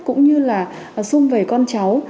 cũng như là sung về con cháu